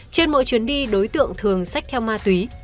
trên mỗi chuyến đi đối tượng thường xách theo ma túy